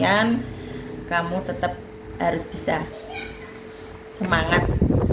dan kamu tetap harus bisa semangat